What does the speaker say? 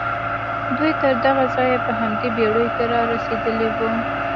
دوی تر دغه ځايه په همدې بېړيو کې را رسېدلي وو.